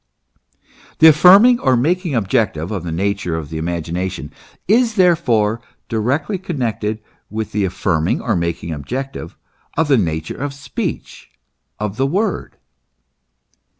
The affirming or making objective of the nature of the imagination is therefore directly connected with the affirming or making objective of the nature of speech, of the Word.